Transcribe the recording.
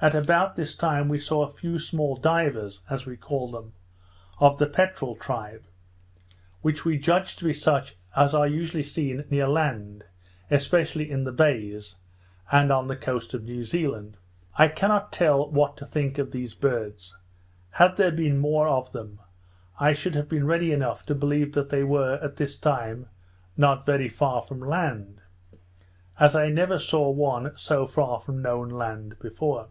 About this time we saw a few small divers (as we call them) of the peterel tribe, which we judged to be such as are usually seen near land, especially in the bays, and on the coast of New Zealand. I cannot tell what to think of these birds; had there been more of them, I should have been ready enough to believe that we were, at this time, not very far from land, as I never saw one so far from known land before.